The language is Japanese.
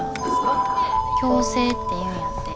共生っていうんやって。